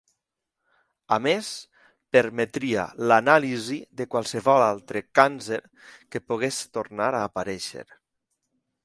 A més, permetria l'anàlisi de qualsevol altre càncer que pogués tornar a aparèixer.